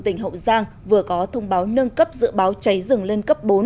tỉnh hậu giang vừa có thông báo nâng cấp dự báo cháy rừng lên cấp bốn